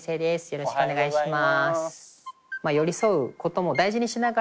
よろしくお願いします。